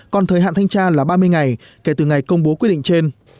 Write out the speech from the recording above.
còn thời hạn thanh tra là ba mươi ngày kể từ ngày công bố quyết định trên